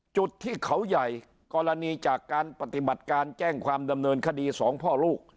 จุดที่เขาใหญ่กรณีจากการปฏิบัติการแจ้งความดำเนินคดีสองพ่อลูก